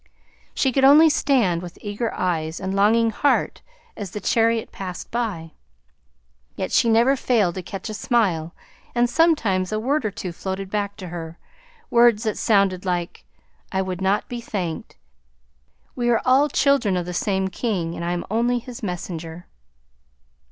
She could only stand with eager eyes and longing heart as the chariot passed by. Yet she never failed to catch a smile, and sometimes a word or two floated back to her, words that sounded like: "I would not be thanked. We are all children of the same King, and I am only his messenger."